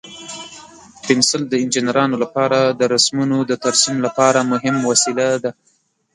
پنسل د انجینرانو لپاره د رسمونو د ترسیم لپاره مهم وسیله ده.